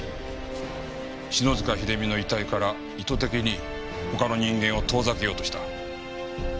篠塚秀実の遺体から意図的に他の人間を遠ざけようとした。